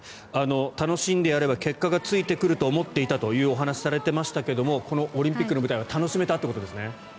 楽しんでやれば結果がついてくると思っていたというお話をされていましたがこのオリンピックの舞台は楽しめたってことですね。